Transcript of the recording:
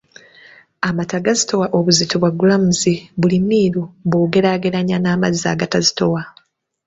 Amata gazitowa obuzito bwa gulaamuzi buli miiru bw’ogeraageranya n’amazzi agatazitowa